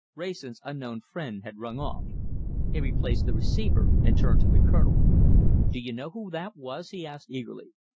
Wrayson's unknown friend had rung off. He replaced the receiver and turned to the Colonel. "Do you know who that was?" he asked eagerly.